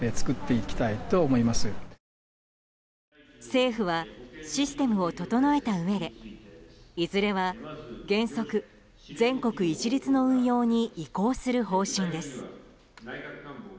政府はシステムを整えたうえでいずれは、原則全国一律の運用に移行する方針です。